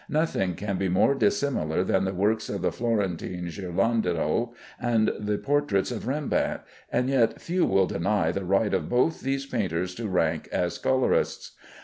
Nothing can be more dissimilar than the works of the Florentine Ghirlandajo and the portraits of Rembrandt, and yet few will deny the right of both these painters to rank as colorists.